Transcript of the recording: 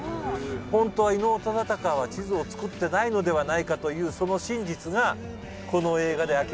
「本当は伊能忠敬は地図を作ってないのではないかというその真実がこの映画で明らかになるという」